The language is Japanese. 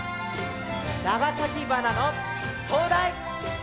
長崎鼻のとうだい！